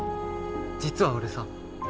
実は俺さ。